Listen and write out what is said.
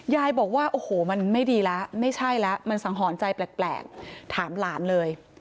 ยายบอกว่าโอ้โหมันไม่ดีแล้วไม่ใช่แล้วมันสังหรณ์ใจแปลกถามหลานเลย